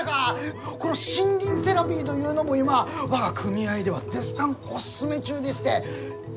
この森林セラピーというのも今我が組合では絶賛おすすめ中でして。